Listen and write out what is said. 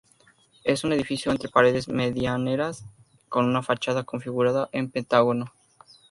Es un edificio entre paredes medianeras, con una fachada configurada en pentágono.